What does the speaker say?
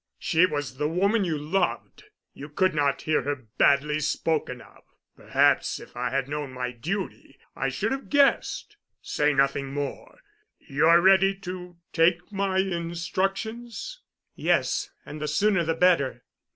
She was the woman you loved. You could not hear her badly spoken of. Perhaps if I had known my duty—I should have guessed. Say nothing more. You're ready to take my instructions?" "Yes—and the sooner the better."